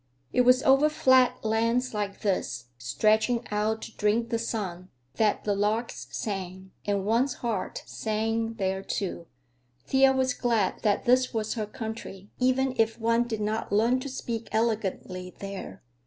It was over flat lands like this, stretching out to drink the sun, that the larks sang—and one's heart sang there, too. Thea was glad that this was her country, even if one did not learn to speak elegantly there.